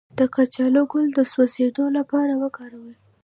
د کچالو ګل د سوځیدو لپاره وکاروئ